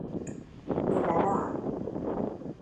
你来了啊